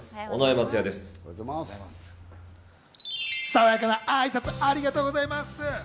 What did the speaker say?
さわやかな挨拶、ありがとうございます。